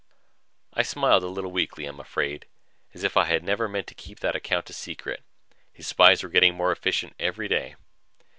I smiled, a little weakly, I'm afraid, as if I had never meant to keep that account a secret. His spies were getting more efficient every day.